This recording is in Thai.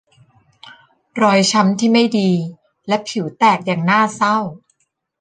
รอยช้ำที่ไม่ดีและผิวแตกอย่างน่าเศร้า